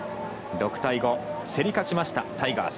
６対５、競り勝ちましたタイガース。